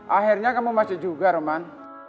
akhirnya kamu masih juga arman